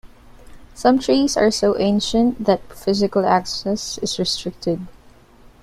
Some trees are so ancient that physical access is restricted.